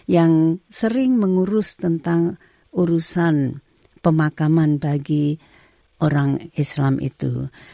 yang sering mengurus tentang urusan pemakaman bagi orang islam itu